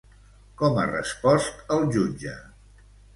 Com ha respost el jutge?